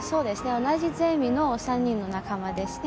同じゼミの３人の仲間ですね。